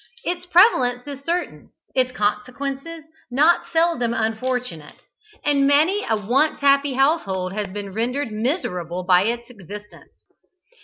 Its prevalence is certain, its consequences not seldom unfortunate, and many a once happy household has been rendered miserable by its existence.